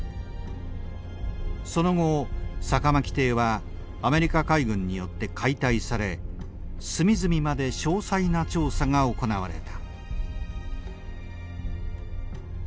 その後酒巻艇はアメリカ海軍によって解体され隅々まで詳細な調査が行われた。